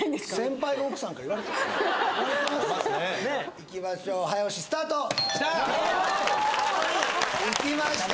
いきましょう早押しスタート・きた！